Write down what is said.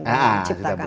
nah sudah bisa bersaing